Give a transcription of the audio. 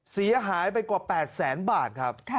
เสียหายไปกว่า๘แสนบาทครับ